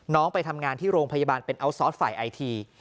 ไปทำงานที่โรงพยาบาลเป็นอัลซอสฝ่ายไอที